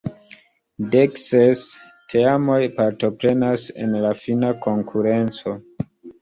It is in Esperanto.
Dekses teamoj partoprenas en la fina konkurenco.